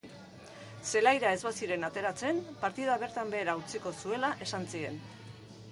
Zelaira ez baziren ateratzen, partida bertan behera utziko zuela esan zien.